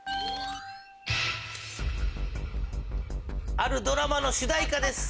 あるドラマの主題歌です。